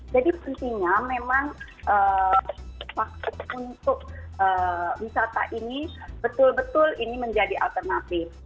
jadi intinya memang untuk wisata ini betul betul ini menjadi alternatif